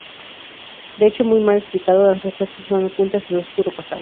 De hecho muy mal explicado, las respuestas están ocultas en su oscuro pasado.